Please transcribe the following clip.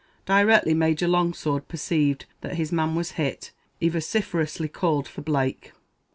Directly Major Longsword perceived that his man was hit, he vociferously called for Blake.